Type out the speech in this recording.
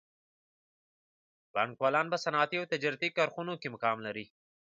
بانکوالان په صنعتي او تجارتي کارخانو کې مقام لري